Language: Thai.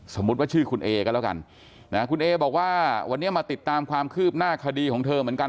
สมมุติว่าชื่อคุณเอก็แล้วกันนะคุณเอบอกว่าวันนี้มาติดตามความคืบหน้าคดีของเธอเหมือนกัน